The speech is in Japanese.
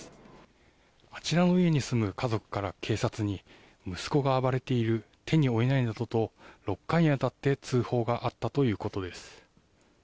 あちらの家に住む家族から、警察に息子が暴れている、手に負えないなどと、６回にわたって通報があったということです。